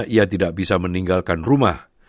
ia tidak bisa meninggalkan rumah